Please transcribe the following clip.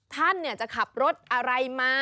ท่านจะขับรถอะไรมา